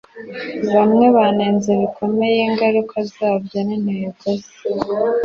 bamwe banenze bikomeye ingaruka zabyo n'intego ze,